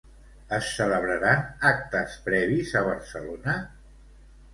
Es celebraran actes previs a Barcelona?